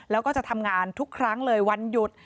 แล้วก็จะทำงานทุกครั้งเลยวันหยุด